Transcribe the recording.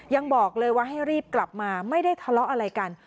ยังบอกเลยว่าให้รีบกลับมาไม่ได้ทะเลาะอะไรกัน